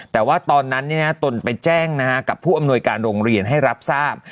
แต่ว่าตอนนั้นตนไปแจ้งกับผู้อำนวยการโรงเรียนให้รับทราบ